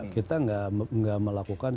kita enggak melakukan